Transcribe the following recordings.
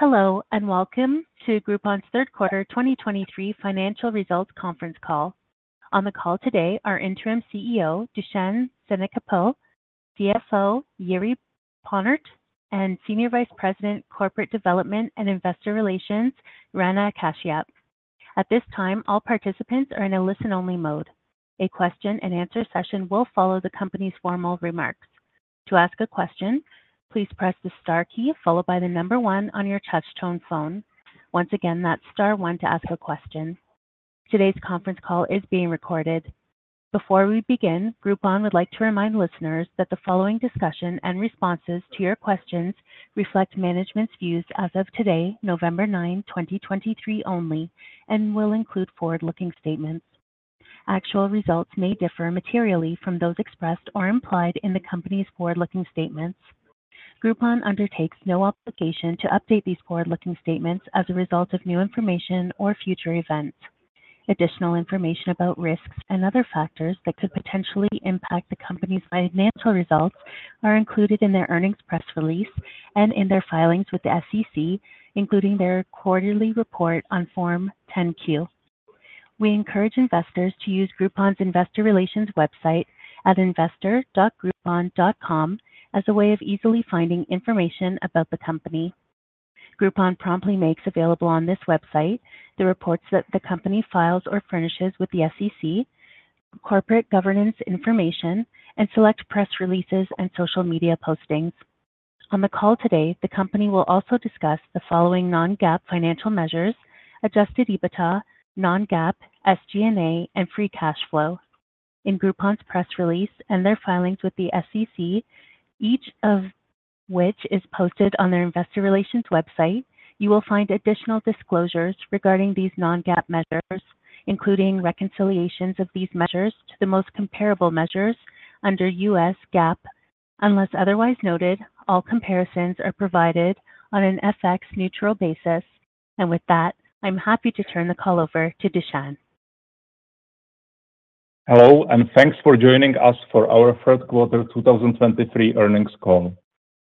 Hello, and welcome to Groupon's third quarter 2023 financial results conference call. On the call today, are Interim CEO, Dušan Šenkypl, CFO, Jiří Ponrt, and Senior Vice President, Corporate Development and Investor Relations, Rana Kashyap. At this time, all participants are in a listen-only mode. A question and answer session will follow the company's formal remarks. To ask a question, please press the star key followed by the number one on your touch-tone phone. Once again, that's star one to ask a question. Today's conference call is being recorded. Before we begin, Groupon would like to remind listeners that the following discussion and responses to your questions reflect management's views as of today, November 9, 2023 only, and will include forward-looking statements. Actual results may differ materially from those expressed or implied in the company's forward-looking statements. Groupon undertakes no obligation to update these forward-looking statements as a result of new information or future events. Additional information about risks and other factors that could potentially impact the company's financial results are included in their earnings press release and in their filings with the SEC, including their quarterly report on Form 10-Q. We encourage investors to use Groupon's investor relations website at investor.groupon.com as a way of easily finding information about the company. Groupon promptly makes available on this website the reports that the company files or furnishes with the SEC, corporate governance information, and select press releases and social media postings. On the call today, the company will also discuss the following non-GAAP financial measures: Adjusted EBITDA, non-GAAP, SG&A, and Free Cash Flow. In Groupon's press release and their filings with the SEC, each of which is posted on their investor relations website, you will find additional disclosures regarding these non-GAAP measures, including reconciliations of these measures to the most comparable measures under U.S. GAAP. Unless otherwise noted, all comparisons are provided on an FX Neutral basis. With that, I'm happy to turn the call over to Dušan. Hello, and thanks for joining us for our third quarter 2023 earnings call.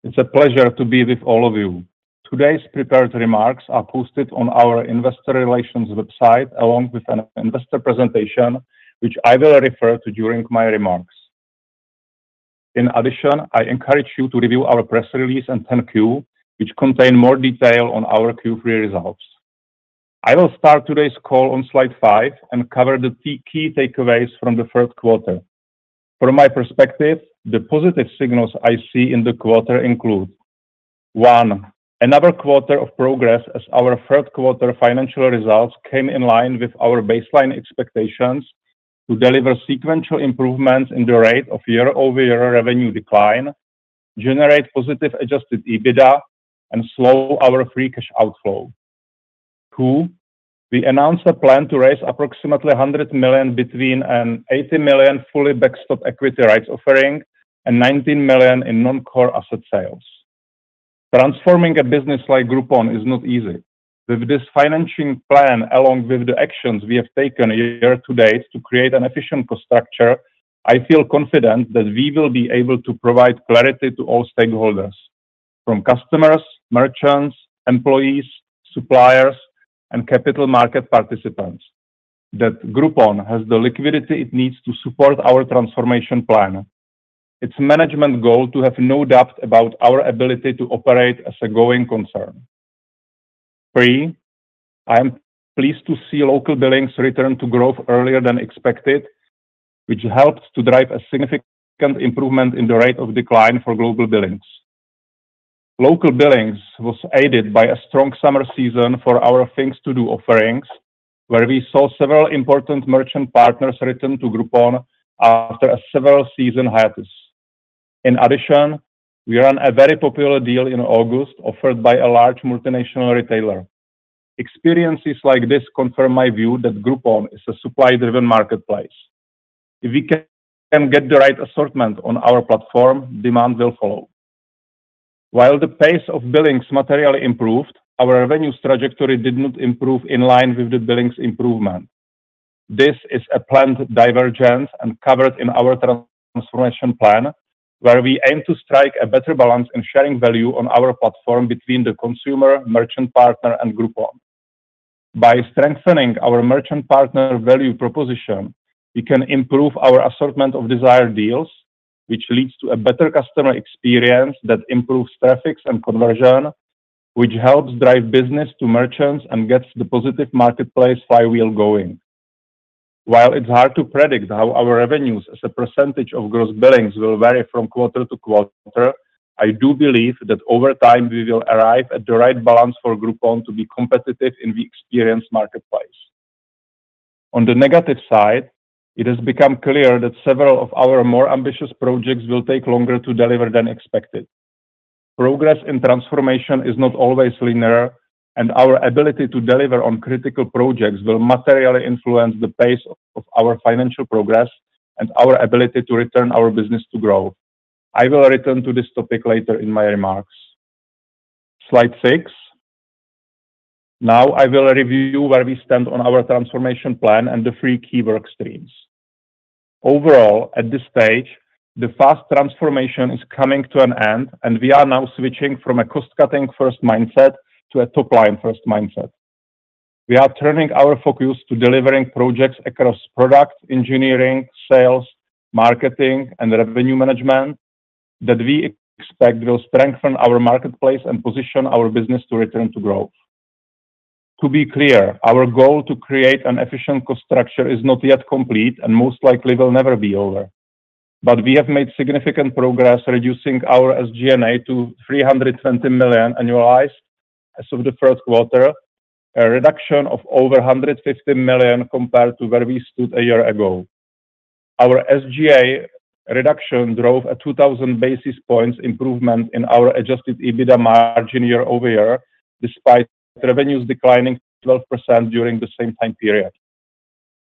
It's a pleasure to be with all of you. Today's prepared remarks are posted on our investor relations website, along with an investor presentation, which I will refer to during my remarks. In addition, I encourage you to review our press release and 10-Q, which contain more detail on our Q3 results. I will start today's call on slide five and cover the key, key takeaways from the third quarter. From my perspective, the positive signals I see in the quarter include: One, another quarter of progress as our third quarter financial results came in line with our baseline expectations to deliver sequential improvements in the rate of year-over-year revenue decline, generate positive Adjusted EBITDA, and slow our free cash outflow. Two, we announced a plan to raise approximately $100 million between an $80 million fully backstopped equity rights offering and $19 million in non-core asset sales. Transforming a business like Groupon is not easy. With this financing plan, along with the actions we have taken year to date to create an efficient cost structure, I feel confident that we will be able to provide clarity to all stakeholders, from customers, merchants, employees, suppliers, and capital market participants, that Groupon has the liquidity it needs to support our transformation plan. It's management's goal to have no doubt about our ability to operate as a going concern. Three, I am pleased to see local billings return to growth earlier than expected, which helps to drive a significant improvement in the rate of decline for global billings. Local billings was aided by a strong summer season for our Things To Do offerings, where we saw several important merchant partners return to Groupon after a several season hiatus. In addition, we run a very popular deal in August offered by a large multinational retailer. Experiences like this confirm my view that Groupon is a supply-driven marketplace. If we can get the right assortment on our platform, demand will follow. While the pace of billings materially improved, our revenue trajectory did not improve in line with the billings improvement. This is a planned divergence and covered in our transformation plan, where we aim to strike a better balance in sharing value on our platform between the consumer, merchant partner, and Groupon. By strengthening our merchant partner value proposition, we can improve our assortment of desired deals, which leads to a better customer experience that improves traffic and conversion, which helps drive business to merchants and gets the positive marketplace flywheel going. While it's hard to predict how our revenues as a percentage of gross billings will vary from quarter to quarter, I do believe that over time, we will arrive at the right balance for Groupon to be competitive in the experience marketplace. On the negative side, it has become clear that several of our more ambitious projects will take longer to deliver than expected. Progress in transformation is not always linear, and our ability to deliver on critical projects will materially influence the pace of our financial progress and our ability to return our business to growth. I will return to this topic later in my remarks. Slide six. Now, I will review where we stand on our transformation plan and the three key work streams. Overall, at this stage, the fast transformation is coming to an end, and we are now switching from a cost-cutting first mindset to a top-line first mindset. We are turning our focus to delivering projects across product, engineering, sales, marketing, and revenue management that we expect will strengthen our marketplace and position our business to return to growth. To be clear, our goal to create an efficient cost structure is not yet complete and most likely will never be over. But we have made significant progress reducing our SG&A to $320 million annualized as of the first quarter, a reduction of over $150 million compared to where we stood a year ago. Our SG&A reduction drove a 2,000 basis points improvement in our Adjusted EBITDA margin year-over-year, despite revenues declining 12% during the same time period.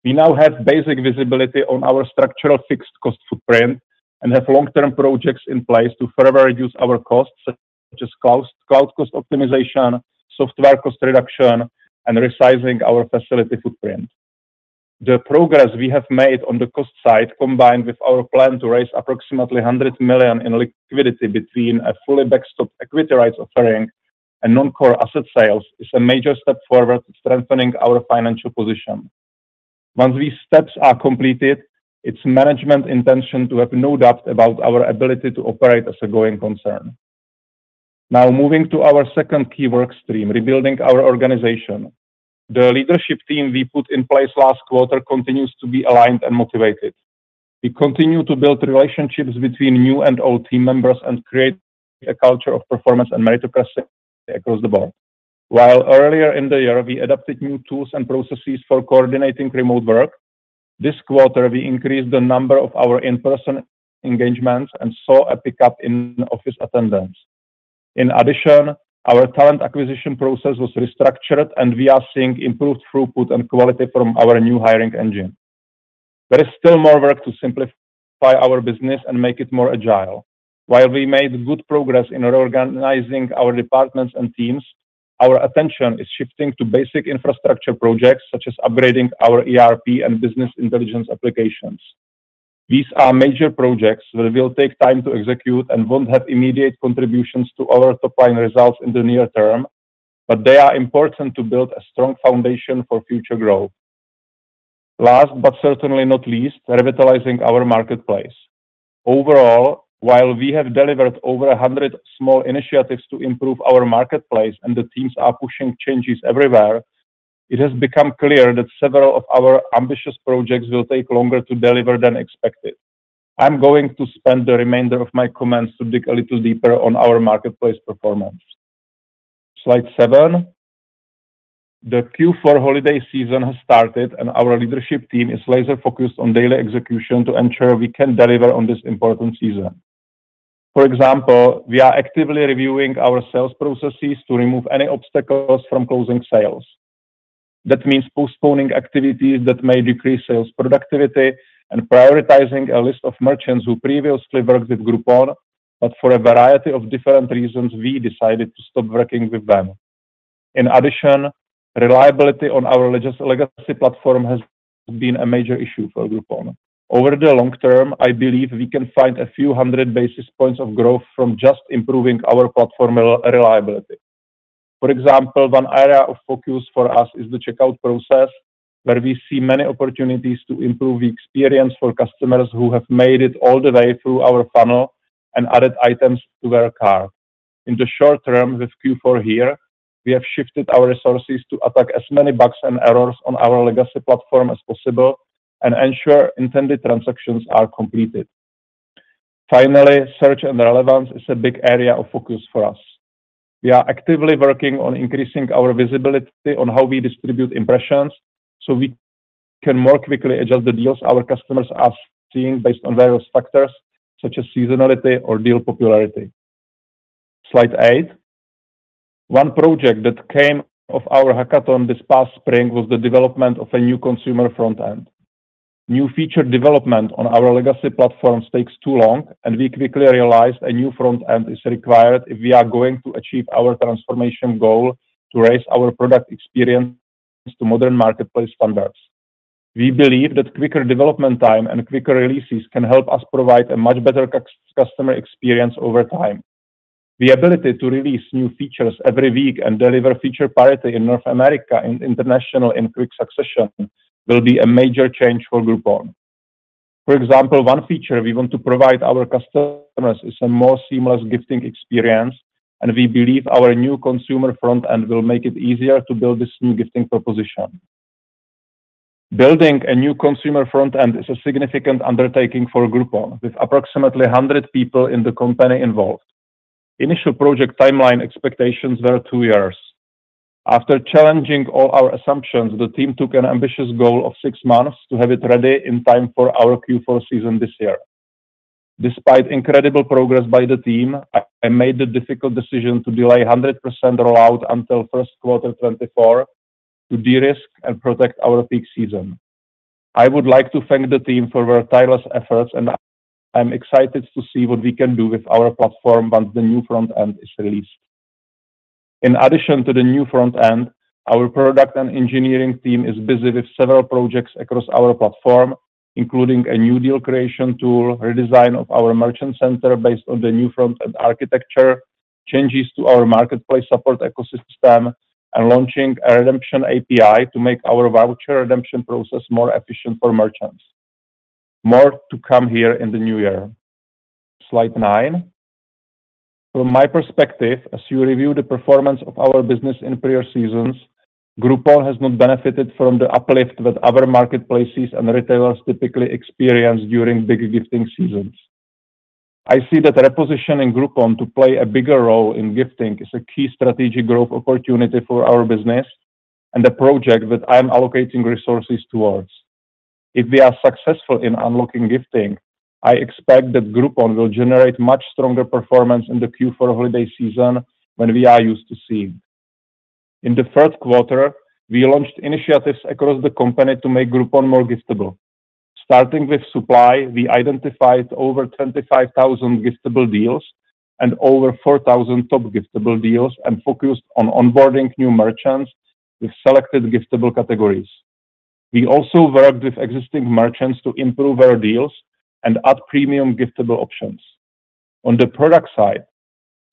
We now have basic visibility on our structural fixed cost footprint and have long-term projects in place to further reduce our costs, such as cost, cloud cost optimization, software cost reduction, and resizing our facility footprint. The progress we have made on the cost side, combined with our plan to raise approximately $100 million in liquidity between a fully backstopped equity rights offering and non-core asset sales, is a major step forward to strengthening our financial position. Once these steps are completed, it's management's intention to have no doubt about our ability to operate as a going concern. Now, moving to our second key work stream, rebuilding our organization. The leadership team we put in place last quarter continues to be aligned and motivated. We continue to build relationships between new and old team members and create a culture of performance and meritocracy across the board. While earlier in the year, we adopted new tools and processes for coordinating remote work, this quarter we increased the number of our in-person engagements and saw a pickup in office attendance. In addition, our talent acquisition process was restructured and we are seeing improved throughput and quality from our new hiring engine. There is still more work to simplify our business and make it more agile. While we made good progress in reorganizing our departments and teams, our attention is shifting to basic infrastructure projects such as upgrading our ERP and business intelligence applications. These are major projects that will take time to execute and won't have immediate contributions to our top-line results in the near term, but they are important to build a strong foundation for future growth. Last, but certainly not least, revitalizing our marketplace. Overall, while we have delivered over 100 small initiatives to improve our marketplace and the teams are pushing changes everywhere, it has become clear that several of our ambitious projects will take longer to deliver than expected. I'm going to spend the remainder of my comments to dig a little deeper on our marketplace performance. Slide seven. The Q4 holiday season has started, and our leadership team is laser-focused on daily execution to ensure we can deliver on this important season. For example, we are actively reviewing our sales processes to remove any obstacles from closing sales. That means postponing activities that may decrease sales productivity and prioritizing a list of merchants who previously worked with Groupon, but for a variety of different reasons, we decided to stop working with them. In addition, reliability on our legacy platform has been a major issue for Groupon. Over the long term, I believe we can find a few hundred basis points of growth from just improving our platform reliability. For example, one area of focus for us is the checkout process, where we see many opportunities to improve the experience for customers who have made it all the way through our funnel and added items to their cart. In the short term, with Q4 here, we have shifted our resources to attack as many bugs and errors on our legacy platform as possible and ensure intended transactions are completed. Finally, search and relevance is a big area of focus for us. We are actively working on increasing our visibility on how we distribute impressions, so we can more quickly adjust the deals our customers are seeing based on various factors, such as seasonality or deal popularity. Slide eight. One project that came of our hackathon this past spring was the development of a new consumer front end. New feature development on our legacy platforms takes too long, and we quickly realized a new front end is required if we are going to achieve our transformation goal to raise our product experience to modern marketplace standards. We believe that quicker development time and quicker releases can help us provide a much better customer experience over time. The ability to release new features every week and deliver feature parity in North America and international in quick succession will be a major change for Groupon. For example, one feature we want to provide our customers is a more seamless gifting experience, and we believe our new consumer front end will make it easier to build this new gifting proposition. Building a new consumer front end is a significant undertaking for Groupon, with approximately 100 people in the company involved. Initial project timeline expectations were two years. After challenging all our assumptions, the team took an ambitious goal of six months to have it ready in time for our Q4 season this year. Despite incredible progress by the team, I made the difficult decision to delay 100% rollout until first quarter 2024 to de-risk and protect our peak season. I would like to thank the team for their tireless efforts, and I'm excited to see what we can do with our platform once the new front end is released. In addition to the new front end, our product and engineering team is busy with several projects across our platform, including a new deal creation tool, redesign of our merchant center based on the new front end architecture, changes to our marketplace support ecosystem, and launching a redemption API to make our voucher redemption process more efficient for merchants. More to come here in the new year. Slide nine. From my perspective, as you review the performance of our business in prior seasons, Groupon has not benefited from the uplift that other marketplaces and retailers typically experience during big gifting seasons. I see that repositioning Groupon to play a bigger role in gifting is a key strategic growth opportunity for our business and a project that I am allocating resources towards. If we are successful in unlocking gifting, I expect that Groupon will generate much stronger performance in the Q4 holiday season than we are used to seeing. In the first quarter, we launched initiatives across the company to make Groupon more giftable. Starting with supply, we identified over 25,000 giftable deals and over 4,000 top giftable deals and focused on onboarding new merchants with selected giftable categories. We also worked with existing merchants to improve our deals and add premium giftable options. On the product side,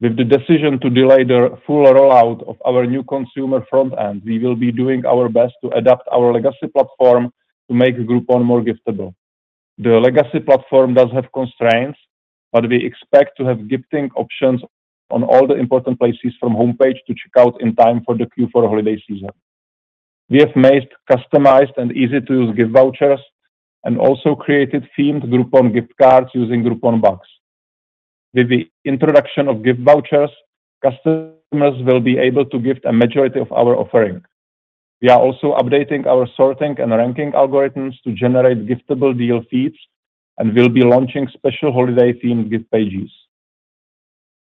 with the decision to delay the full rollout of our new consumer front end, we will be doing our best to adapt our legacy platform to make Groupon more giftable. The legacy platform does have constraints, but we expect to have gifting options on all the important places from homepage to checkout in time for the Q4 holiday season. We have made customized and easy-to-use gift vouchers and also created themed Groupon gift cards using Groupon Bucks. With the introduction of gift vouchers, customers will be able to gift a majority of our offering. We are also updating our sorting and ranking algorithms to generate giftable deal feeds, and we'll be launching special holiday-themed gift pages.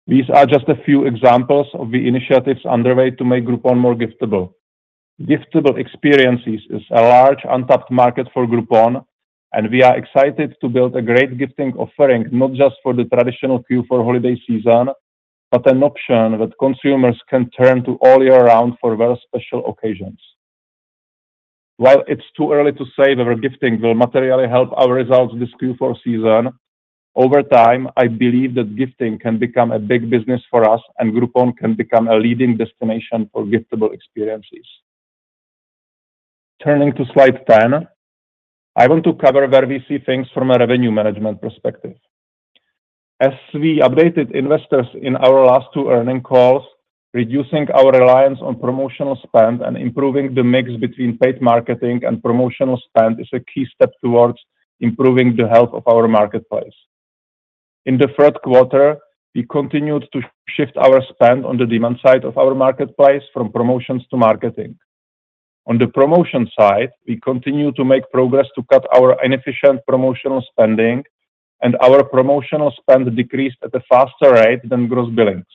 These are just a few examples of the initiatives underway to make Groupon more giftable. Giftable experiences is a large, untapped market for Groupon, and we are excited to build a great gifting offering, not just for the traditional Q4 holiday season, but an option that consumers can turn to all year round for very special occasions. While it's too early to say whether gifting will materially help our results this Q4 season, over time, I believe that gifting can become a big business for us, and Groupon can become a leading destination for giftable experiences. Turning to slide 10, I want to cover where we see things from a revenue management perspective. As we updated investors in our last two earnings calls, reducing our reliance on promotional spend and improving the mix between paid marketing and promotional spend is a key step towards improving the health of our marketplace. In the third quarter, we continued to shift our spend on the demand side of our marketplace from promotions to marketing. On the promotion side, we continue to make progress to cut our inefficient promotional spending, and our promotional spend decreased at a faster rate than gross billings.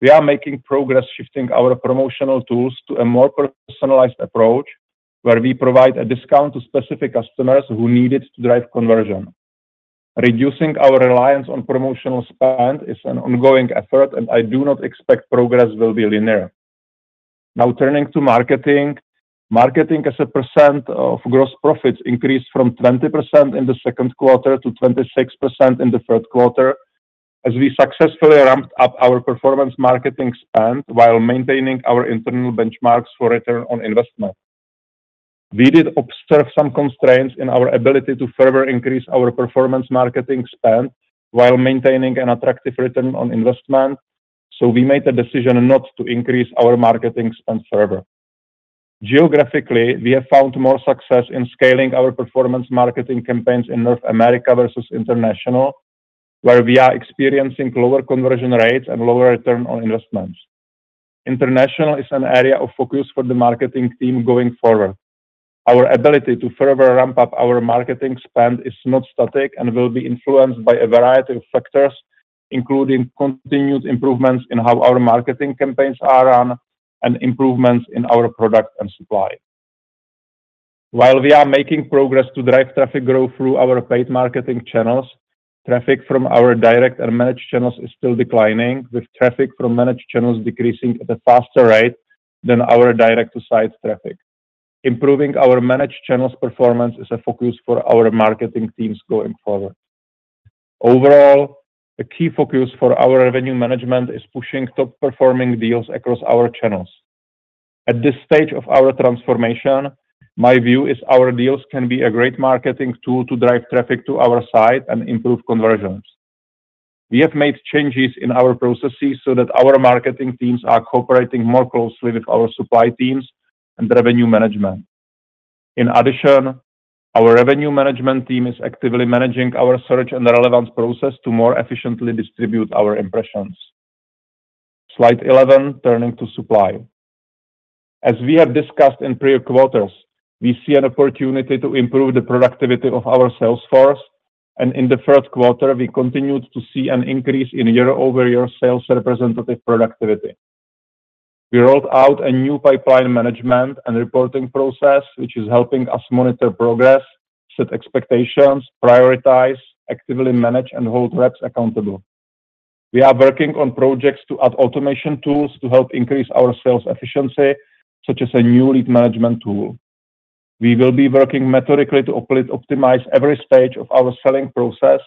We are making progress shifting our promotional tools to a more personalized approach, where we provide a discount to specific customers who need it to drive conversion. Reducing our reliance on promotional spend is an ongoing effort, and I do not expect progress will be linear. Now, turning to marketing. Marketing as a percent of gross profits increased from 20% in the second quarter to 26% in the third quarter as we successfully ramped up our performance marketing spend while maintaining our internal benchmarks for return on investment. We did observe some constraints in our ability to further increase our performance marketing spend while maintaining an attractive return on investment, so we made the decision not to increase our marketing spend further. Geographically, we have found more success in scaling our performance marketing campaigns in North America versus International, where we are experiencing lower conversion rates and lower return on investments. International is an area of focus for the marketing team going forward. Our ability to further ramp up our marketing spend is not static and will be influenced by a variety of factors, including continued improvements in how our marketing campaigns are run and improvements in our product and supply. While we are making progress to drive traffic growth through our paid marketing channels, traffic from our direct and managed channels is still declining, with traffic from managed channels decreasing at a faster rate than our direct-to-site traffic. Improving our managed channels performance is a focus for our marketing teams going forward. Overall, a key focus for our revenue management is pushing top-performing deals across our channels. At this stage of our transformation, my view is our deals can be a great marketing tool to drive traffic to our site and improve conversions. We have made changes in our processes so that our marketing teams are cooperating more closely with our supply teams and revenue management. In addition, our revenue management team is actively managing our search and relevance process to more efficiently distribute our impressions. Slide 11, turning to supply. As we have discussed in prior quarters, we see an opportunity to improve the productivity of our sales force, and in the first quarter, we continued to see an increase in year-over-year sales representative productivity. We rolled out a new pipeline management and reporting process, which is helping us monitor progress, set expectations, prioritize, actively manage, and hold reps accountable. We are working on projects to add automation tools to help increase our sales efficiency, such as a new lead management tool. We will be working methodically to optimize every stage of our selling process,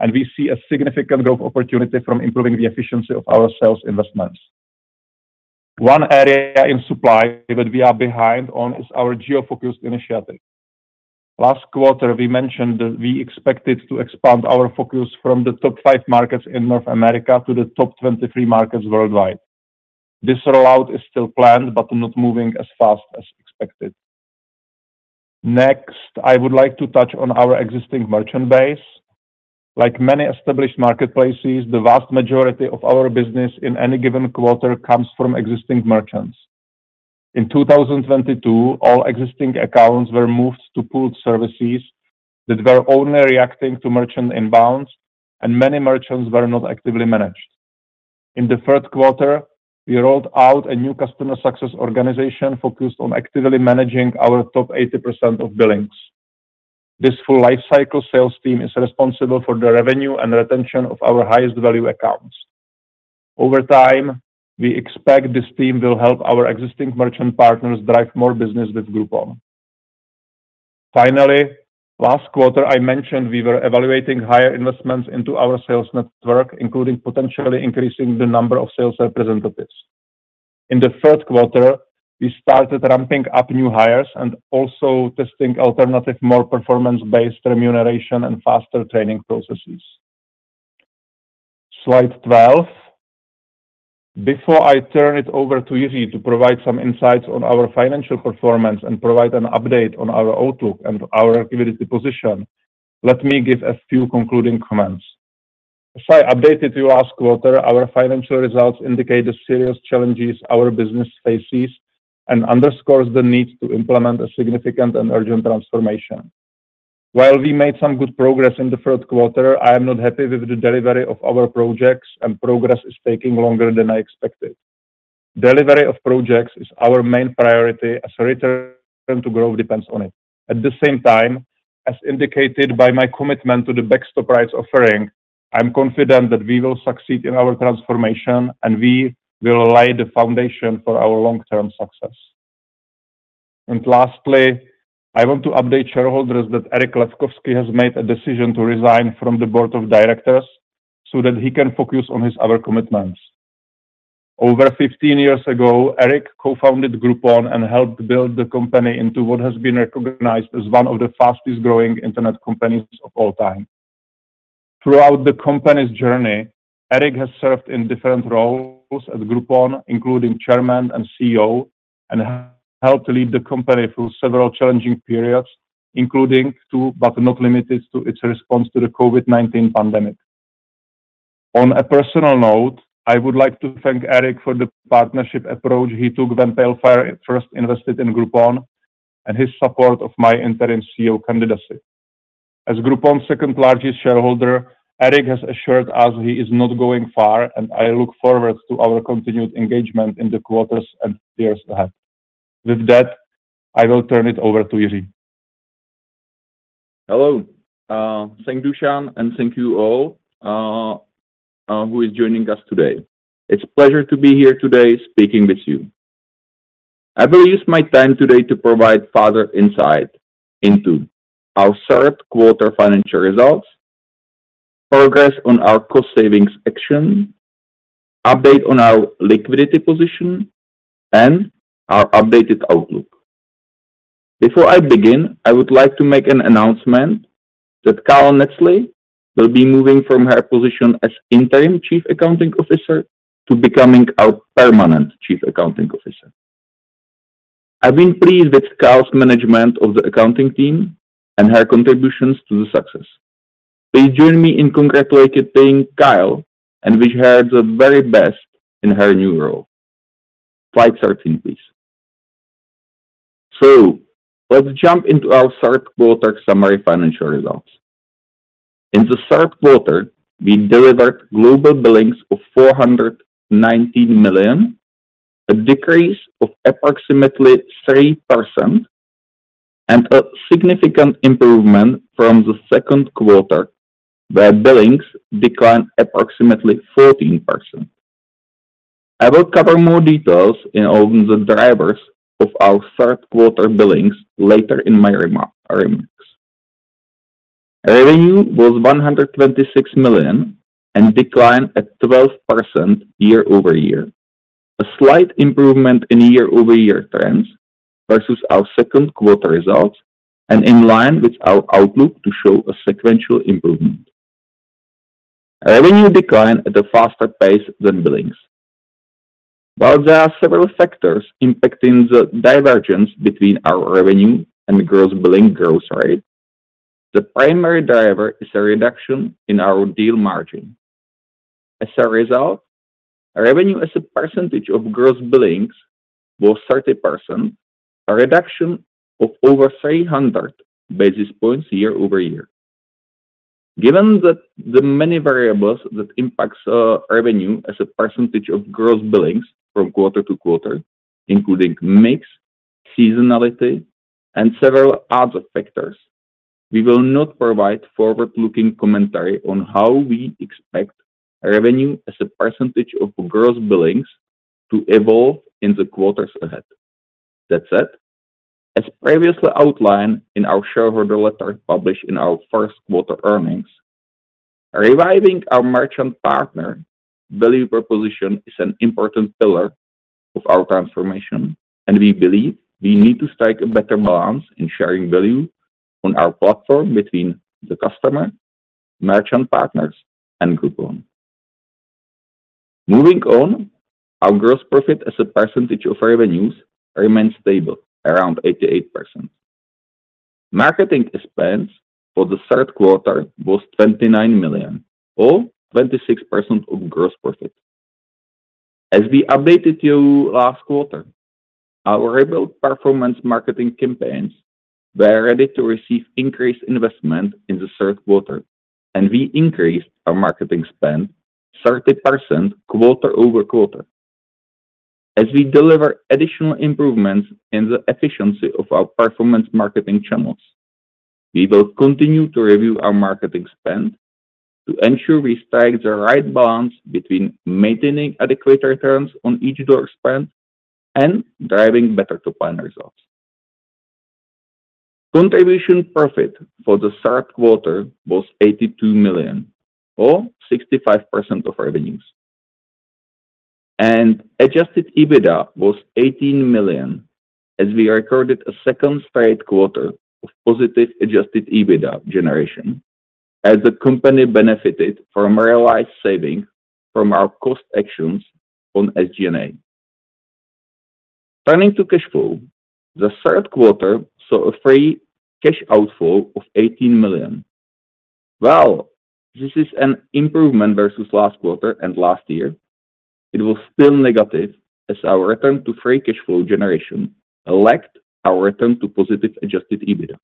and we see a significant growth opportunity from improving the efficiency of our sales investments. One area in supply that we are behind on is our geo-focused initiative. Last quarter, we mentioned that we expected to expand our focus from the top 5 markets in North America to the top 23 markets worldwide. This rollout is still planned, but not moving as fast as expected. Next, I would like to touch on our existing merchant base. Like many established marketplaces, the vast majority of our business in any given quarter comes from existing merchants. In 2022, all existing accounts were moved to pooled services that were only reacting to merchant inbounds, and many merchants were not actively managed. In the third quarter, we rolled out a new customer success organization focused on actively managing our top 80% of billings. This full lifecycle sales team is responsible for the revenue and retention of our highest value accounts. Over time, we expect this team will help our existing merchant partners drive more business with Groupon. Finally, last quarter, I mentioned we were evaluating higher investments into our sales network, including potentially increasing the number of sales representatives. In the third quarter, we started ramping up new hires and also testing alternative, more performance-based remuneration and faster training processes. Slide 12. Before I turn it over to Jiří to provide some insights on our financial performance and provide an update on our outlook and our liquidity position, let me give a few concluding comments. As I updated you last quarter, our financial results indicate the serious challenges our business faces and underscores the need to implement a significant and urgent transformation. While we made some good progress in the third quarter, I am not happy with the delivery of our projects, and progress is taking longer than I expected. Delivery of projects is our main priority as return to growth depends on it. At the same time, as indicated by my commitment to the backstop rights offering, I'm confident that we will succeed in our transformation, and we will lay the foundation for our long-term success. Lastly, I want to update shareholders that Eric Lefkofsky has made a decision to resign from the board of directors so that he can focus on his other commitments. Over 15 years ago, Eric co-founded Groupon and helped build the company into what has been recognized as one of the fastest-growing internet companies of all time. Throughout the company's journey, Eric has served in different roles at Groupon, including Chairman and CEO, and has helped lead the company through several challenging periods, including two, but not limited to, its response to the COVID-19 pandemic. On a personal note, I would like to thank Eric for the partnership approach he took when Pale Fire first invested in Groupon and his support of my interim CEO candidacy. As Groupon's second-largest shareholder, Eric has assured us he is not going far, and I look forward to our continued engagement in the quarters and years ahead. With that, I will turn it over to Jiří. Hello. Thank Dušan, and thank you all who is joining us today. It's a pleasure to be here today speaking with you. I will use my time today to provide further insight into our third quarter financial results, progress on our cost savings action, update on our liquidity position, and our updated outlook. Before I begin, I would like to make an announcement that Kyle Nettesheim will be moving from her position as Interim Chief Accounting Officer to becoming our permanent Chief Accounting Officer. I've been pleased with Kyle's management of the accounting team and her contributions to the success. Please join me in congratulating Kyle, and wish her the very best in her new role. Slide 13, please. Let's jump into our third quarter summary financial results. In the third quarter, we delivered global billings of $419 million, a decrease of approximately 3% and a significant improvement from the second quarter, where billings declined approximately 14%. I will cover more details in all the drivers of our third quarter billings later in my remarks. Revenue was $126 million and declined 12% year-over-year. A slight improvement in year-over-year trends versus our second quarter results, and in line with our outlook to show a sequential improvement. Revenue declined at a faster pace than billings. While there are several factors impacting the divergence between our revenue and gross billings growth rate, the primary driver is a reduction in our deal margin. As a result, revenue as a percentage of gross billings was 30%, a reduction of over 300 basis points year-over-year. Given that the many variables that impacts revenue as a percentage of gross billings from quarter to quarter, including mix, seasonality, and several other factors, we will not provide forward-looking commentary on how we expect revenue as a percentage of gross billings to evolve in the quarters ahead. That said, as previously outlined in our shareholder letter published in our first quarter earnings, reviving our merchant partner value proposition is an important pillar of our transformation, and we believe we need to strike a better balance in sharing value on our platform between the customer, merchant partners, and Groupon. Moving on, our gross profit as a percentage of revenues remains stable, around 88%. Marketing expense for the third quarter was $29 million, or 26% of gross profit. As we updated you last quarter, our rebuilt performance marketing campaigns were ready to receive increased investment in the third quarter, and we increased our marketing spend 30% quarter-over-quarter. As we deliver additional improvements in the efficiency of our performance marketing channels, we will continue to review our marketing spend to ensure we strike the right balance between maintaining adequate returns on each dollar spent and driving better top-line results. Contribution profit for the third quarter was $82 million, or 65% of revenues, and Adjusted EBITDA was $18 million, as we recorded a second straight quarter of positive Adjusted EBITDA generation, as the company benefited from realized savings from our cost actions on SG&A. Turning to cash flow, the third quarter saw a free cash outflow of $18 million. While this is an improvement versus last quarter and last year, it was still negative as our return to free cash flow generation lagged our return to positive adjusted EBITDA.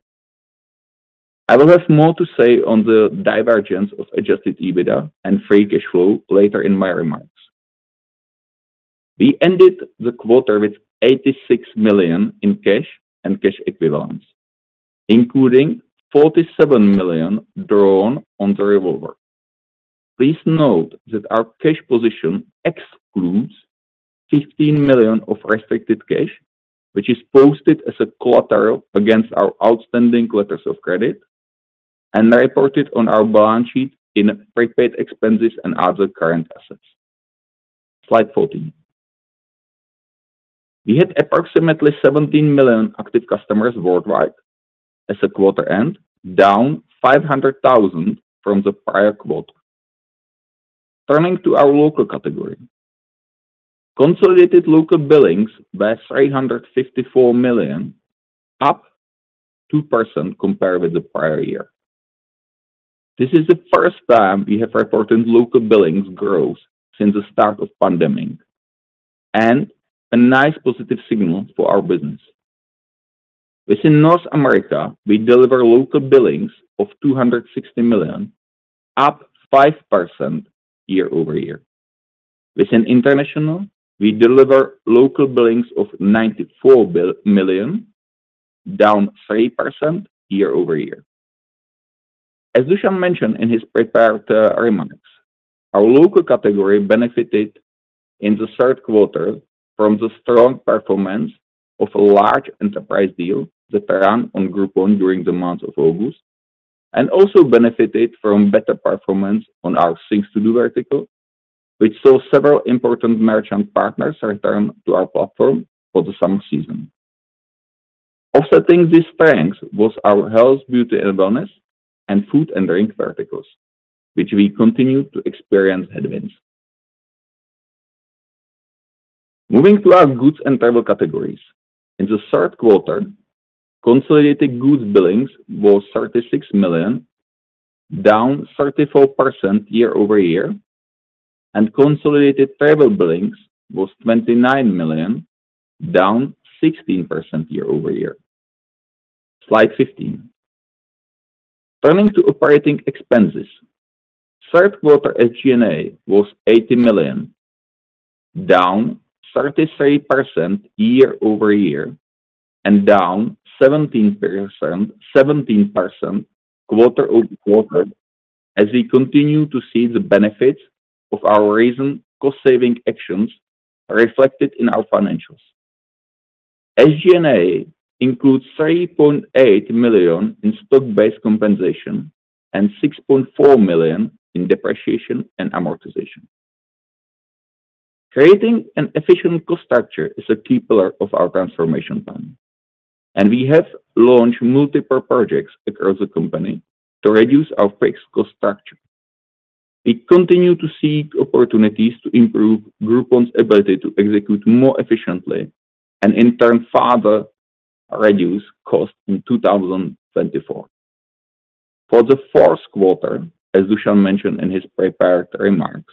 I will have more to say on the divergence of adjusted EBITDA and free cash flow later in my remarks. We ended the quarter with $86 million in cash and cash equivalents, including $47 million drawn on the revolver. Please note that our cash position excludes $15 million of restricted cash, which is posted as collateral against our outstanding letters of credit and reported on our balance sheet in prepaid expenses and other current assets. Slide 14. We had approximately 17 million active customers worldwide as of quarter end, down 500,000 from the prior quarter. Turning to our local category. Consolidated local billings was $354 million, up 2% compared with the prior year. This is the first time we have reported local billings growth since the start of pandemic, and a nice positive signal for our business. Within North America, we deliver local billings of $260 million, up 5% year-over-year. Within International, we deliver local billings of $94 million, down 3% year-over-year. As Dušan mentioned in his prepared remarks, our local category benefited in the third quarter from the strong performance of a large enterprise deal that ran on Groupon during the month of August, and also benefited from better performance on our things to do vertical, which saw several important merchant partners return to our platform for the summer season. Offsetting this strength was our Health, Beauty and Wellness, and food & drink verticals, which we continue to experience headwinds. Moving to our goods and travel categories. In the third quarter, consolidated goods billings was $36 million, down 34% year-over-year, and consolidated travel billings was $29 million, down 16% year-over-year. Slide 15. Turning to operating expenses. Third quarter SG&A was $80 million, down 33% year-over-year and down 17%, 17% quarter-over-quarter, as we continue to see the benefits of our recent cost-saving actions reflected in our financials. SG&A includes $3.8 million in stock-based compensation and $6.4 million in depreciation and amortization. Creating an efficient cost structure is a key pillar of our transformation plan, and we have launched multiple projects across the company to reduce our fixed cost structure. We continue to seek opportunities to improve Groupon's ability to execute more efficiently and in turn, further reduce costs in 2024. For the fourth quarter, as Dušan mentioned in his prepared remarks.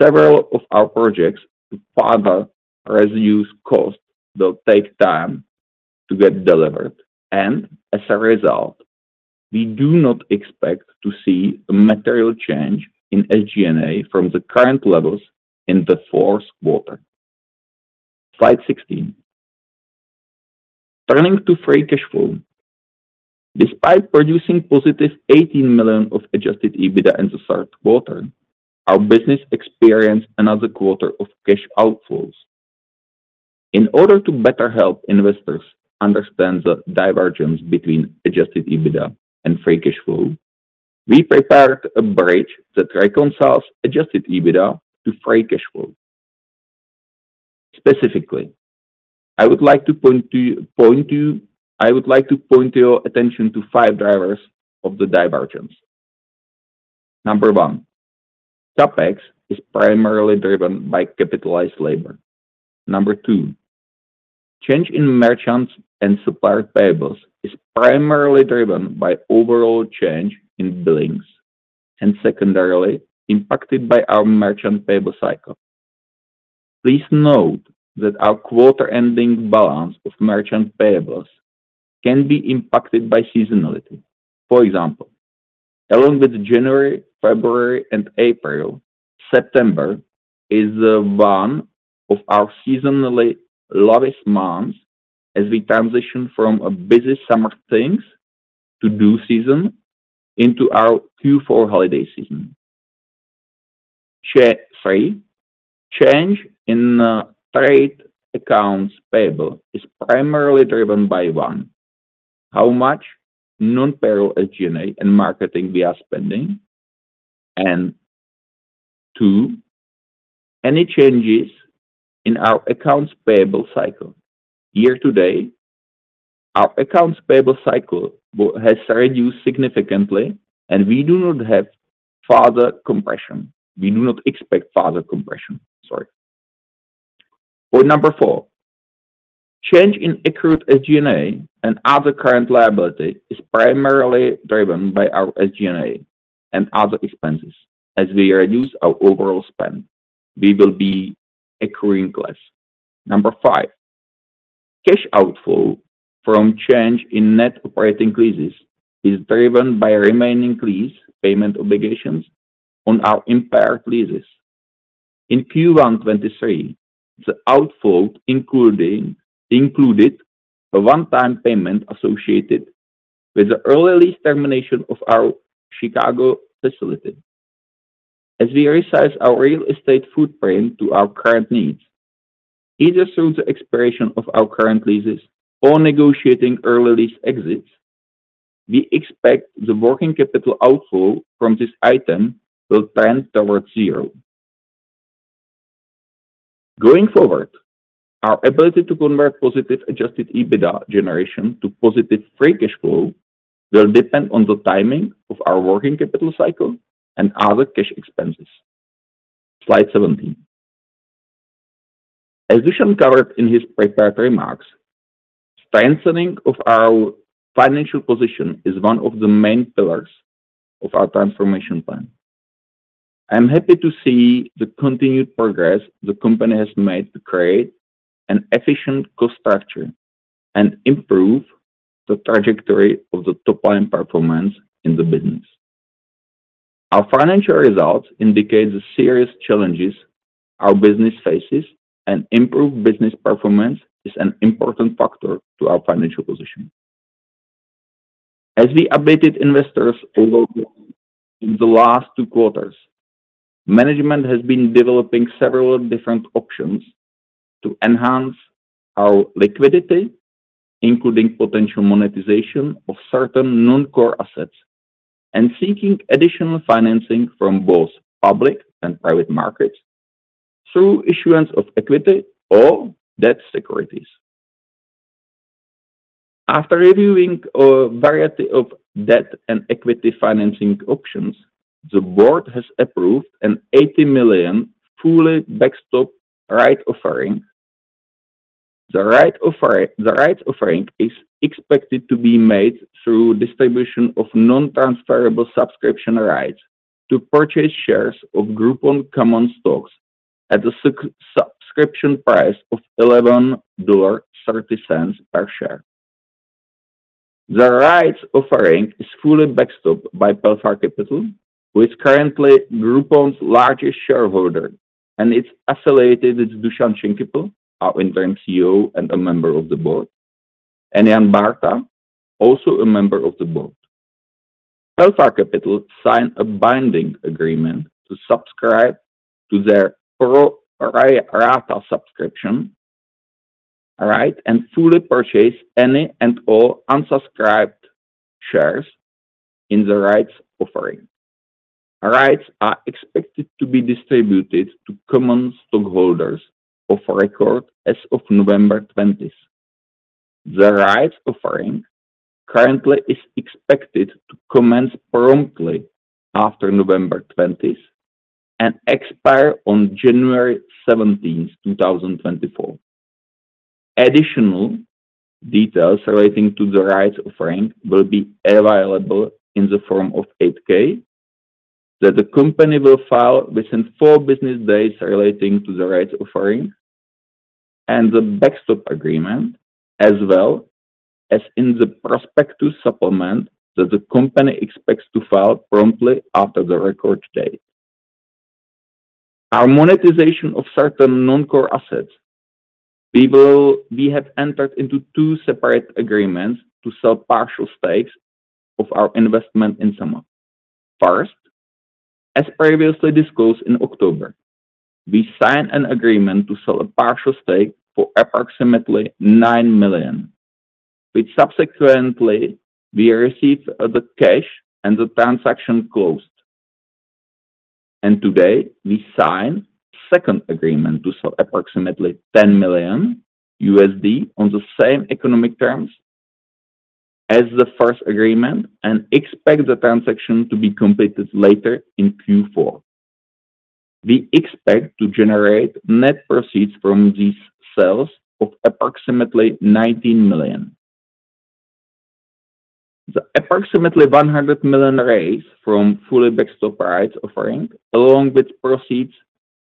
Several of our projects to further reduce costs will take time to get delivered, and as a result, we do not expect to see a material change in SG&A from the current levels in the fourth quarter. Slide 16. Turning to free cash flow. Despite producing positive $18 million of adjusted EBITDA in the third quarter, our business experienced another quarter of cash outflows. In order to better help investors understand the divergence between adjusted EBITDA and free cash flow, we prepared a bridge that reconciles adjusted EBITDA to free cash flow. Specifically, I would like to point your attention to 5 drivers of the divergence. Number one, CapEx is primarily driven by capitalized labor. Number two, change in merchants and supplier payables is primarily driven by overall change in billings, and secondarily, impacted by our merchant payable cycle. Please note that our quarter-ending balance of merchant payables can be impacted by seasonality. For example, along with January, February, and April, September is one of our seasonally lowest months as we transition from a busy summer things to-do season into our Q4 holiday season. Point three, change in trade accounts payable is primarily driven by, one, how much non-payroll SG&A and marketing we are spending, and two, any changes in our accounts payable cycle. Year to date, our accounts payable cycle has reduced significantly, and we do not have further compression. We do not expect further compression, sorry. Point number four, change in accrued SG&A and other current liability is primarily driven by our SG&A and other expenses. As we reduce our overall spend, we will be accruing less. Number 5, cash outflow from change in net operating leases is driven by remaining lease payment obligations on our impaired leases. In Q1 2023, the outflow included a one-time payment associated with the early lease termination of our Chicago facility. As we resize our real estate footprint to our current needs, either through the expiration of our current leases or negotiating early lease exits, we expect the working capital outflow from this item will trend towards zero. Going forward, our ability to convert positive Adjusted EBITDA generation to positive Free Cash Flow will depend on the timing of our working capital cycle and other cash expenses. Slide 17. As Dušan covered in his prepared remarks, strengthening of our financial position is one of the main pillars of our transformation plan. I'm happy to see the continued progress the company has made to create an efficient cost structure and improve the trajectory of the top-line performance in the business. Our financial results indicate the serious challenges our business faces, and improved business performance is an important factor to our financial position. As we updated investors over the last two quarters, management has been developing several different options to enhance our liquidity, including potential monetization of certain non-core assets, and seeking additional financing from both public and private markets through issuance of equity or debt securities. After reviewing a variety of debt and equity financing options, the board has approved an $80 million fully backstopped rights offering. The rights offering is expected to be made through distribution of non-transferable subscription rights to purchase shares of Groupon common stocks at a subscription price of $11.30 per share. The rights offering is fully backstopped by Pale Fire Capital, who is currently Groupon's largest shareholder, and it's affiliated with Dušan Senkypl, our interim CEO and a member of the board, and Jan Bárta, also a member of the board. Pale Fire Capital signed a binding agreement to subscribe to their pro rata subscription, right, and fully purchase any and all unsubscribed shares in the rights offering. Rights are expected to be distributed to common stockholders of record as of November 20th. The rights offering currently is expected to commence promptly after November 20th and expire on January 17th, 2024. Additional details relating to the rights offering will be available in the Form 8-K that the company will file within four business days relating to the rights offering and the backstop agreement, as well as in the prospectus supplement that the company expects to file promptly after the record date. Our monetization of certain non-core assets, we have entered into two separate agreements to sell partial stakes of our investment in SumUp. First, as previously disclosed in October, we signed an agreement to sell a partial stake for approximately $9 million, which, subsequently, we received the cash and the transaction closed. Today, we signed second agreement to sell approximately $10 million on the same economic terms as the first agreement, and expect the transaction to be completed later in Q4. We expect to generate net proceeds from these sales of approximately $19 million. The approximately $100 million raised from fully backstopped rights offering, along with proceeds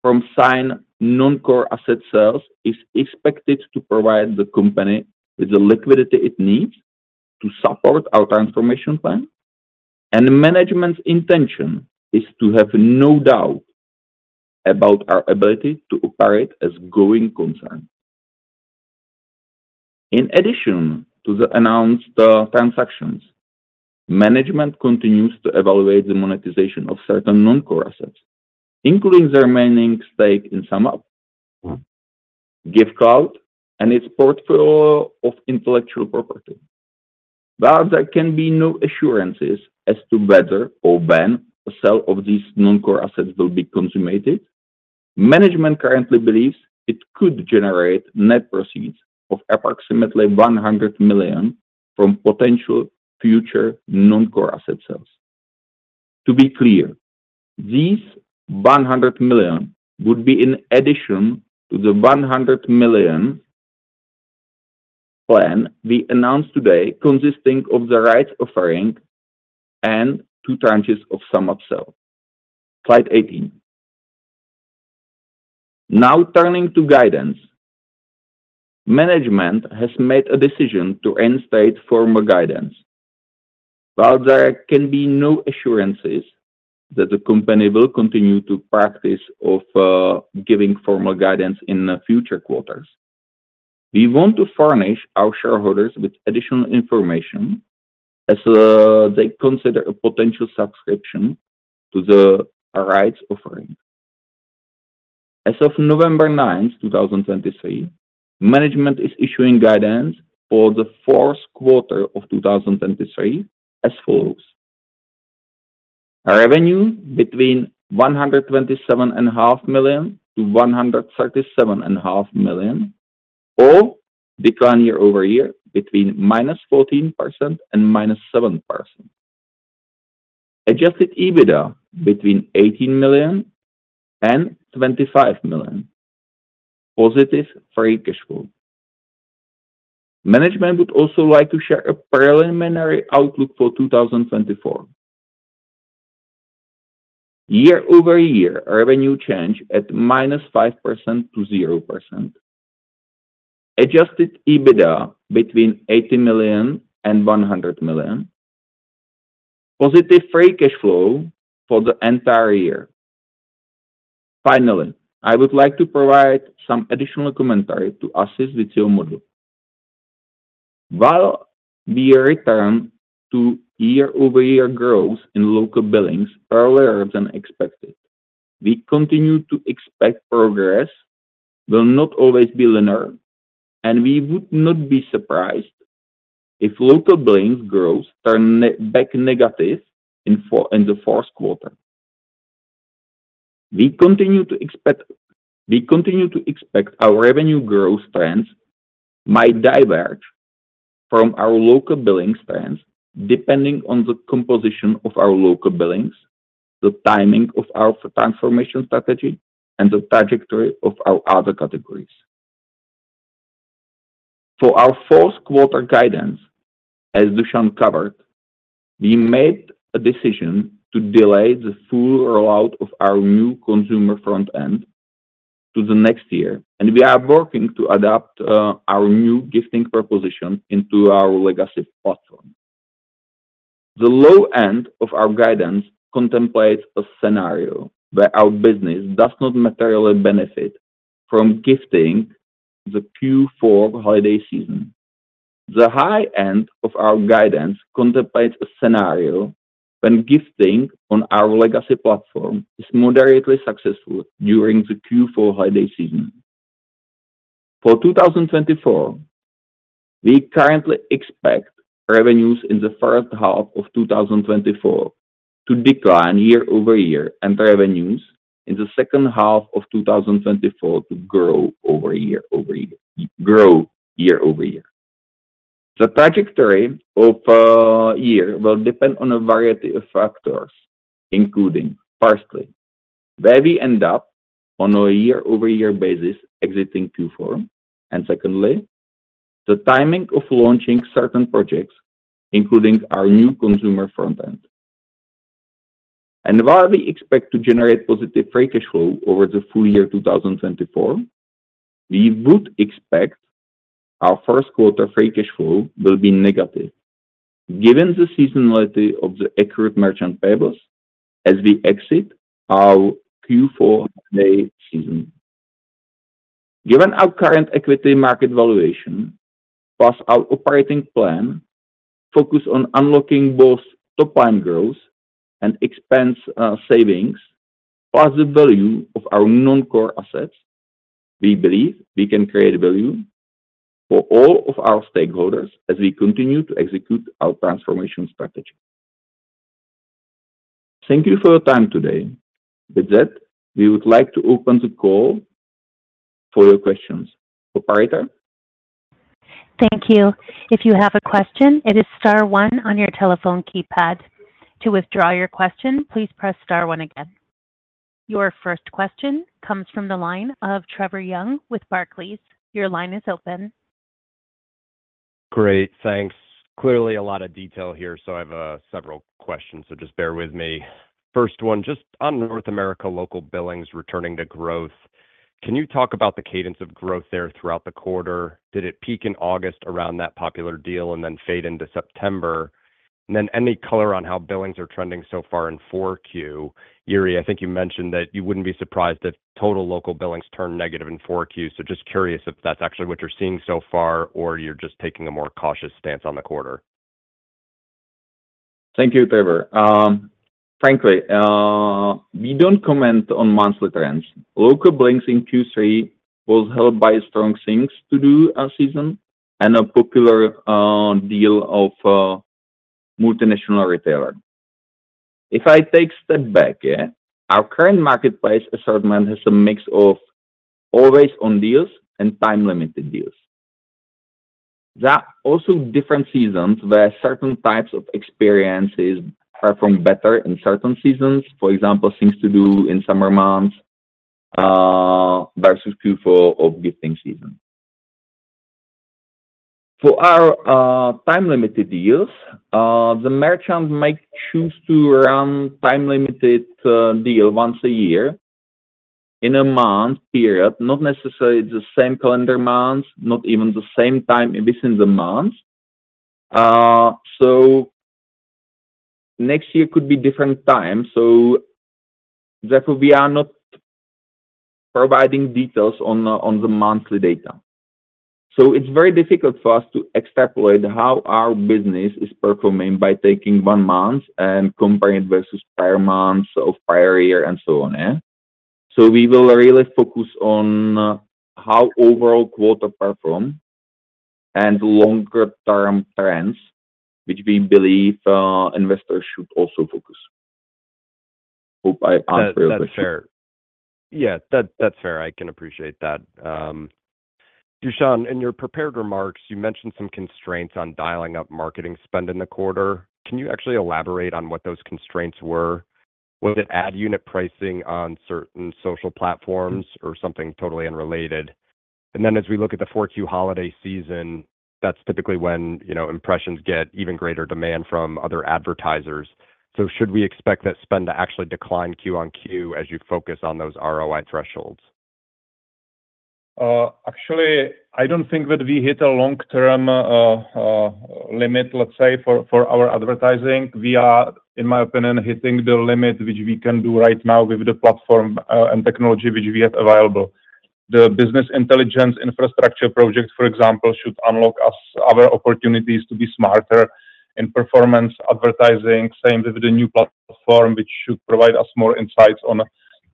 from signed non-core asset sales, is expected to provide the company with the liquidity it needs to support our transformation plan, and management's intention is to have no doubt about our ability to operate as a going concern. In addition to the announced transactions, management continues to evaluate the monetization of certain non-core assets, including the remaining stake in SumUp, Givecloud, and its portfolio of intellectual property. While there can be no assurances as to whether or when a sale of these non-core assets will be consummated, management currently believes it could generate net proceeds of approximately $100 million from potential future non-core asset sales. To be clear, these $100 million would be in addition to the $100 million plan we announced today, consisting of the rights offering and two tranches of SumUp sale. Slide 18. Now, turning to guidance. Management has made a decision to instate formal guidance. While there can be no assurances that the company will continue to practice of giving formal guidance in the future quarters, we want to furnish our shareholders with additional information as they consider a potential subscription to the rights offering. As of November 9, 2023, management is issuing guidance for the fourth quarter of 2023 as follows: Revenue between $127.5 million-$137.5 million, or decline year-over-year between -14% and -7%. Adjusted EBITDA between $18 million and $25 million. Positive free cash flow. Management would also like to share a preliminary outlook for 2024. Year-over-year revenue change at -5% to 0%. Adjusted EBITDA between $80 million and $100 million. Positive free cash flow for the entire year. Finally, I would like to provide some additional commentary to assist with your model. While we return to year-over-year growth in local billings earlier than expected, we continue to expect progress will not always be linear, and we would not be surprised if local billings growth turn back negative in the fourth quarter. We continue to expect, we continue to expect our revenue growth trends might diverge from our local billings trends, depending on the composition of our local billings, the timing of our transformation strategy, and the trajectory of our other categories. For our fourth quarter guidance, as Dušan covered, we made a decision to delay the full rollout of our new consumer front end to the next year, and we are working to adapt our new gifting proposition into our legacy platform. The low end of our guidance contemplates a scenario where our business does not materially benefit from gifting the Q4 holiday season. The high end of our guidance contemplates a scenario when gifting on our legacy platform is moderately successful during the Q4 holiday season. For 2024, we currently expect revenues in the first half of 2024 to decline year-over-year, and revenues in the second half of 2024 to grow year-over-year. The trajectory of a year will depend on a variety of factors, including, firstly, where we end up on a year-over-year basis exiting Q4. Secondly, the timing of launching certain projects, including our new consumer front end. While we expect to generate positive free cash flow over the full year 2024, we would expect our first quarter free cash flow will be negative, given the seasonality of the accurate merchant payables as we exit our Q4 holiday season. Given our current equity market valuation, plus our operating plan focus on unlocking both top-line growth and expense savings, plus the value of our non-core assets, we believe we can create value for all of our stakeholders as we continue to execute our transformation strategy. Thank you for your time today. With that, we would like to open the call for your questions. Operator? Thank you. If you have a question, it is star one on your telephone keypad. To withdraw your question, please press star one again. Your first question comes from the line of Trevor Young with Barclays. Your line is open. Great, thanks. Clearly a lot of detail here, so I have several questions, so just bear with me. First one, just on North America, local billings returning to growth, can you talk about the cadence of growth there throughout the quarter? Did it peak in August around that popular deal and then fade into September? And then any color on how billings are trending so far in 4Q? Jiří, I think you mentioned that you wouldn't be surprised if total local billings turn negative in 4Q. So just curious if that's actually what you're seeing so far, or you're just taking a more cautious stance on the quarter. Thank you, Trevor. Frankly, we don't comment on monthly trends. Local billings in Q3 was held by strong things to do season, and a popular deal of a multinational retailer. If I take a step back, yeah, our current marketplace assortment has a mix of always-on deals and time-limited deals. There are also different seasons where certain types of experiences perform better in certain seasons. For example, things to do in summer months versus Q4 of gifting season. For our time-limited deals, the merchant might choose to run time-limited deal once a year in a month period, not necessarily the same calendar month, not even the same time within the month. So next year could be different time, so therefore, we are not providing details on the monthly data. So it's very difficult for us to extrapolate how our business is performing by taking one month and comparing it versus prior months of prior year, and so on, yeah. So we will really focus on how overall quarter perform and longer term trends, which we believe investors should also focus. Hope I answered your question. That, that's fair. Yeah, that, that's fair. I can appreciate that. Dušan, in your prepared remarks, you mentioned some constraints on dialing up marketing spend in the quarter. Can you actually elaborate on what those constraints were? Was it ad unit pricing on certain social platforms or something totally unrelated? And then as we look at the 4Q holiday season, that's typically when, you know, impressions get even greater demand from other advertisers. So should we expect that spend to actually decline Q-on-Q as you focus on those ROI thresholds? Actually, I don't think that we hit a long-term limit, let's say, for our advertising. We are, in my opinion, hitting the limit which we can do right now with the platform and technology which we have available. The business intelligence infrastructure projects, for example, should unlock us other opportunities to be smarter in performance advertising. Same with the new platform, which should provide us more insights on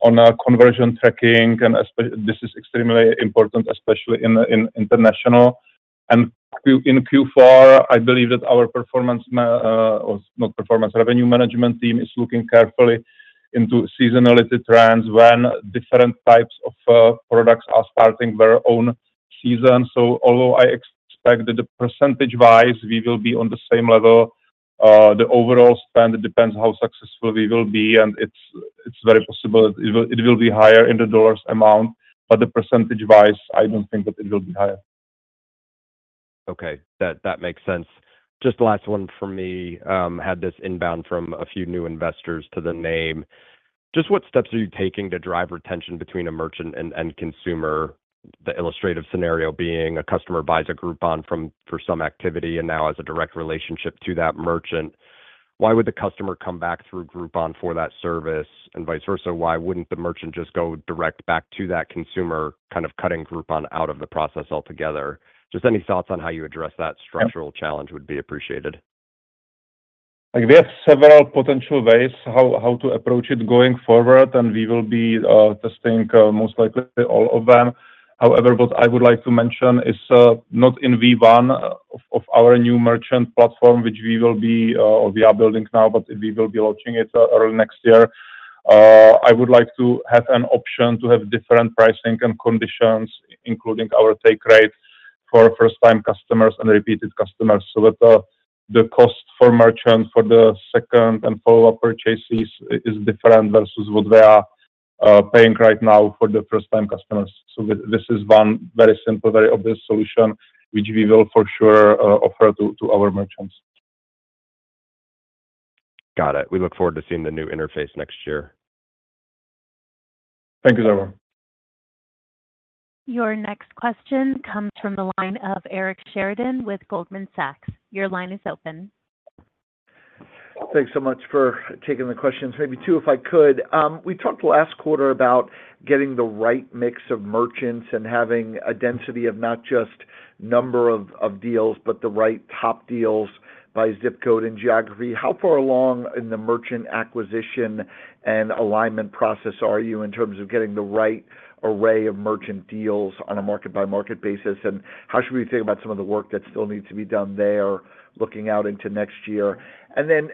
a conversion tracking. And this is extremely important, especially in international. And in Q4, I believe that our revenue management team is looking carefully into seasonality trends when different types of products are starting their own season. So although I expect that the percentage-wise, we will be on the same level, the overall spend depends how successful we will be, and it's very possible it will be higher in the dollars amount, but the percentage-wise, I don't think that it will be higher. Okay, that makes sense. Just the last one for me. Had this inbound from a few new investors to the name. Just what steps are you taking to drive retention between a merchant and consumer? The illustrative scenario being a customer buys a Groupon for some activity and now has a direct relationship to that merchant. Why would the customer come back through Groupon for that service? And vice versa, why wouldn't the merchant just go direct back to that consumer, kind of cutting Groupon out of the process altogether? Just any thoughts on how you address that structural challenge would be appreciated. Like, we have several potential ways how to approach it going forward, and we will be testing, most likely all of them. However, what I would like to mention is not in V1 of our new merchant platform, which we are building now, but we will be launching it early next year. I would like to have an option to have different pricing and conditions, including our take rate for first-time customers and repeated customers, so that the cost for merchant for the second and follow-up purchases is different versus what they are paying right now for the first-time customers. So this is one very simple, very obvious solution, which we will for sure offer to our merchants. Got it. We look forward to seeing the new interface next year. Thank you so much. Your next question comes from the line of Eric Sheridan with Goldman Sachs. Your line is open. Thanks so much for taking the questions. Maybe two, if I could. We talked last quarter about getting the right mix of merchants and having a density of not just number of, of deals, but the right top deals by ZIP code and geography. How far along in the merchant acquisition and alignment process are you in terms of getting the right array of merchant deals on a market-by-market basis? And how should we think about some of the work that still needs to be done there, looking out into next year? And then,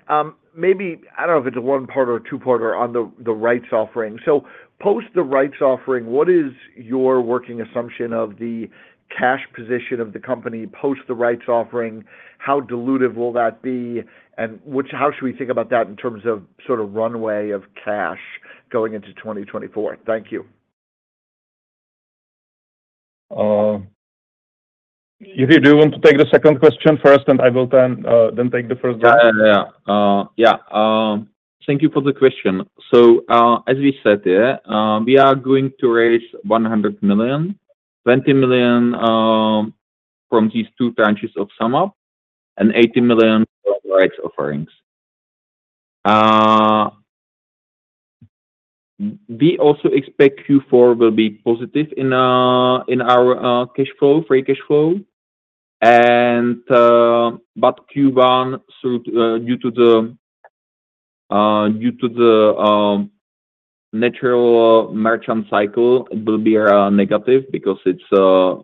maybe, I don't know if it's a one-parter or a two-parter on the, the Rights Offering. So post the Rights Offering, what is your working assumption of the cash position of the company? Post the rights offering, how dilutive will that be, and how should we think about that in terms of sort of runway of cash going into 2024? Thank you. If you do want to take the second question first, then I will take the first one. Yeah, yeah. Yeah, thank you for the question. So, as we said, yeah, we are going to raise $100 million, $20 million from these two branches of SumUp, and $80 million from rights offerings. We also expect Q4 will be positive in our cash flow, free cash flow. But Q1, due to the natural merchant cycle, it will be negative because it's a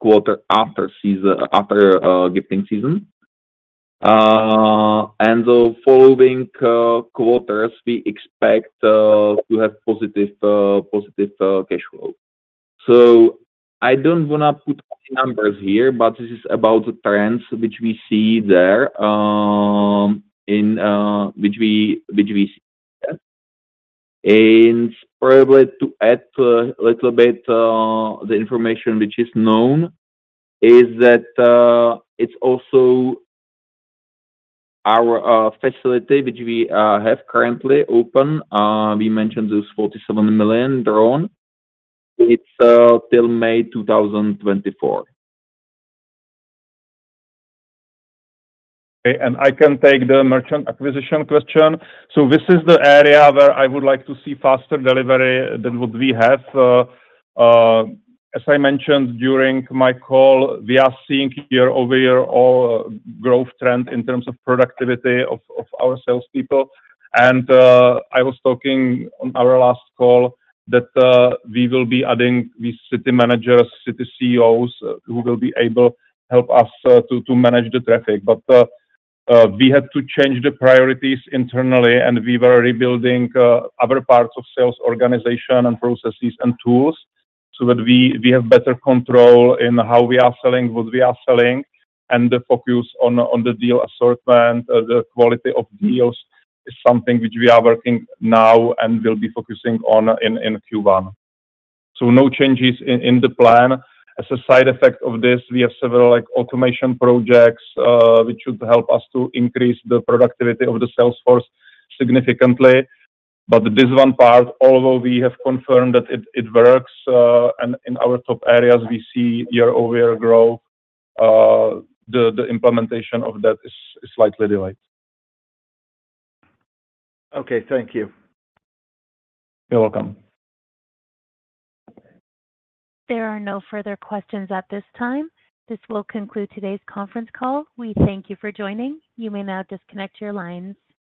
quarter after season, after gifting season. And the following quarters, we expect to have positive cash flow. So I don't wanna put numbers here, but this is about the trends which we see there, which we see there. Probably to add little bit the information which is known is that it's also our facility which we have currently open. We mentioned this $47 million drawn. It's till May 2024. Okay, and I can take the merchant acquisition question. So this is the area where I would like to see faster delivery than what we have. As I mentioned during my call, we are seeing year-over-year growth trend in terms of productivity of our salespeople. And I was talking on our last call that we will be adding these city managers, city CEOs, who will be able to help us to manage the traffic. But we had to change the priorities internally, and we were rebuilding other parts of sales organization and processes and tools, so that we have better control in how we are selling, what we are selling, and the focus on the deal assortment. The quality of deals is something which we are working now and will be focusing on in Q1. So no changes in the plan. As a side effect of this, we have several, like, automation projects, which should help us to increase the productivity of the sales force significantly. But this one part, although we have confirmed that it works, and in our top areas, we see year-over-year growth, the implementation of that is slightly delayed. Okay. Thank you. You're welcome. There are no further questions at this time. This will conclude today's conference call. We thank you for joining. You may now disconnect your lines.